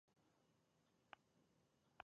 د ماشوم د ودې د ستونزې لپاره باید چا ته لاړ شم؟